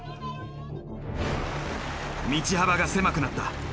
道幅が狭くなった。